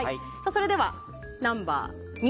それでは、ナンバー２